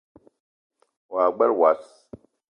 Wa gbele wass